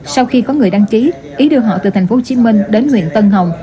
sau khi có người đăng chí ý đưa họ từ thành phố hồ chí minh đến huyện tân hồng